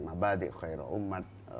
mabadi khairul umat